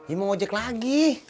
iya mau ojek lagi